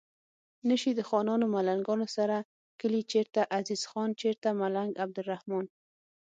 نشي د خانانو ملنګانو سره کلي چرته عزیز خان چرته ملنګ عبدالرحمان